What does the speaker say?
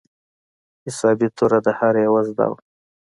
حسابي توره د هر يوه زده وه.